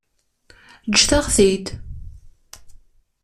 Ǧǧet-aɣ-t-id.